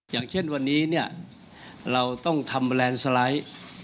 อย่างเช่นวันนี้เราต้องทำแรงสไลด์